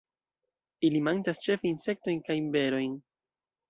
Ili manĝas ĉefe insektojn kaj berojn.